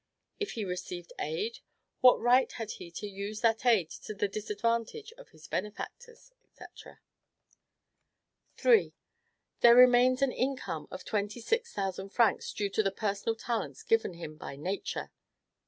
If he received aid, what right had he to use that aid to the disadvantage of his benefactors, &c.? 3. "There remains an income of twenty six thousand francs due to the personal talents given him by Nature."